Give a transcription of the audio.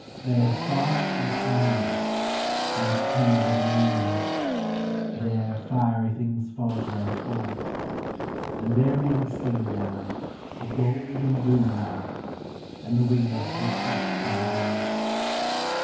There soft is the moonlight, and tender the noon light; There fiery things falter and fall; And there may be seen, now, the gold and the green, now, And the wings of a peace over all.